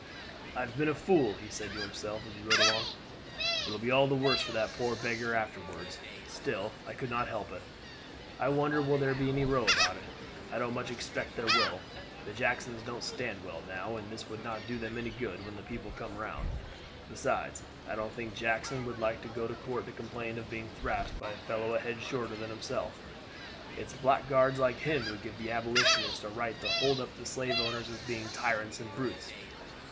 "I have been a fool," he said to himself as he rode along. "It will be all the worse for that poor beggar afterward; still I could not help it. I wonder will there be any row about it. I don't much expect there will, the Jacksons don't stand well now, and this would not do them any good with the people round; besides I don't think Jackson would like to go into court to complain of being thrashed by a fellow a head shorter than himself. It's blackguards like him who give the Abolitionists a right to hold up the slave owners as being tyrants and brutes."